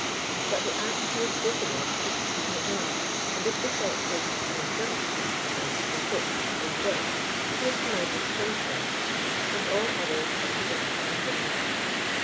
But the act here spoken of is to be his own, and if the text is "au injunction," and the pit" is death, he is commanded to kill himself, and all others are for bidden to hinder him.